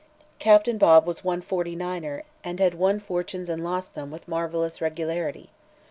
Captain Bob was one "forty niners" and had made fortunes and lost them with marvelous regularity.